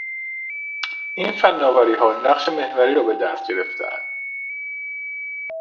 این فناوریها نقش محوری را به دست گرفتهاند